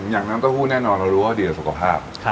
อย่างน้ำเต้าหู้แน่นอนเรารู้ว่าดีแต่สุขภาพ